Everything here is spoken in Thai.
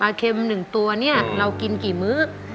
ปลาเข็มหนึ่งตัวเนี่ยเรากินกี่มื้อ